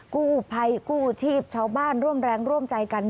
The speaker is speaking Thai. กู้ภัยกู้ชีพชาวบ้านร่วมแรงร่วมใจกัน